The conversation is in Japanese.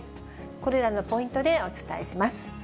これらのポイントでお伝えします。